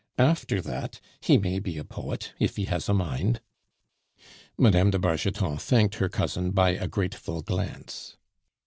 After that, he may be a poet if he has a mind." Mme. de Bargeton thanked her cousin by a grateful glance.